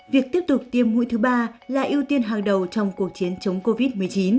việc tiếp tục tiêm mũi thứ ba là ưu tiên hàng đầu trong cuộc chiến chống covid một mươi chín